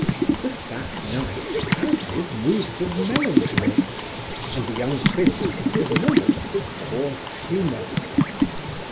The fat knight has his moods of melancholy, and the young prince his moments of coarse humour.